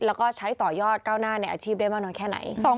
แล้วก็ใช้ต่อยอดก้าวหน้าในอาชีพได้มากน้อยแค่ไหน